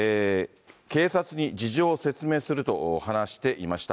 警察に事情を説明すると話していました。